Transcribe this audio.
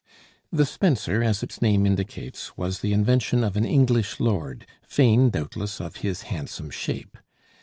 The spencer, as its name indicates, was the invention of an English lord, vain, doubtless, of his handsome shape.